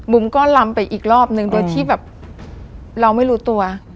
บุ๋มก็ลำไปอีกรอบหนึ่งโดยที่เราไม่รู้ตัว